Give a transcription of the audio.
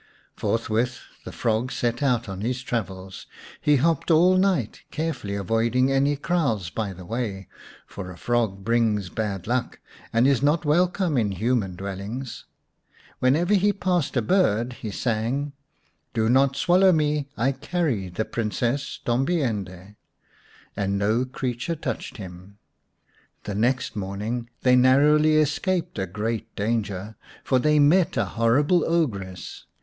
Forthwith the frog set out on his travels. He hopped all night, carefully avoiding any kraals by the way, for a frog brings bad luck, and is not welcome in human dwellings. When ever he passed a bird he sang : 190 xvi The Fairy Frog " Do not swallow me, I carry the Princess Tombi ende," and no creature touched him. The next morn ing they narrowly escaped a great danger, for they met a horrible ogress.